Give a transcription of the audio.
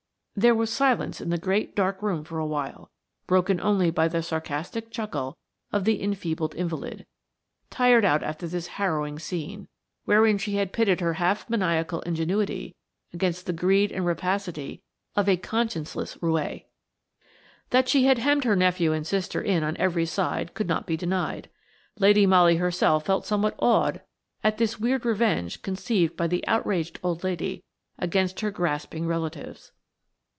There was silence in the great, dark room for awhile, broken only by the sarcastic chuckle of the enfeebled invalid, tired out after this harrowing scene, wherein she had pitted her half maniacal ingenuity against the greed and rapacity of a conscienceless roué. That she had hemmed her nephew and sister in on every side could not be denied. Lady Molly herself felt somewhat awed at this weird revenge conceived by the outraged old lady against her grasping relatives.